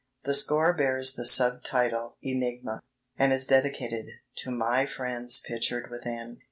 The score bears the sub title "Enigma," and is dedicated "to my friends pictured within."